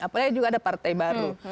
apalagi juga ada partai baru